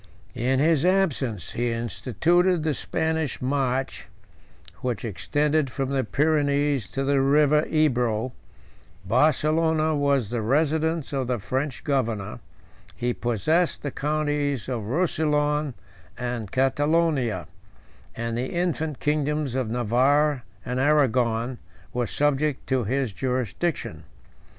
In his absence he instituted the Spanish march, 108 which extended from the Pyrenees to the River Ebro: Barcelona was the residence of the French governor: he possessed the counties of Rousillon and Catalonia; and the infant kingdoms of Navarre and Arragon were subject to his jurisdiction.